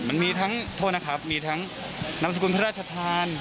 มันมีทั้งโทษนะครับมีทั้งนามสกุลพระราชทาน